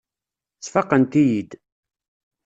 Sfaqent-iyi-id.